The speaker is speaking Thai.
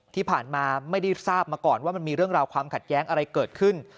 ที่ผ่านมาไม่ได้ทราบมาก่อนว่ามันมีเรื่องราวความขัดแย้งอะไรเกิดขึ้น